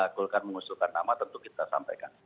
golkar mengusulkan nama tentu kita sampaikan